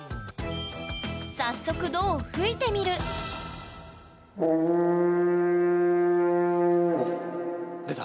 早速「ド」を吹いてみる出た？